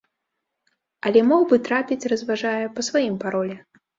Але мог бы трапіць, разважае, па сваім паролі.